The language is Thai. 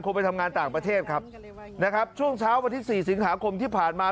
ไปทำงานต่างประเทศครับนะครับช่วงเช้าวันที่สี่สิงหาคมที่ผ่านมา